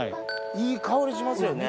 いい香りしますよね。